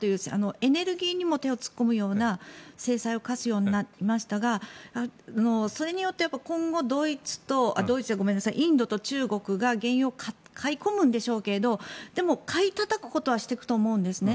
エネルギーにも手を突っ込むような制裁を科すようになりましたがそれによって今後インドと中国が原油を買い込むんでしょうけどでも、買いたたくことはしていくと思うんですね。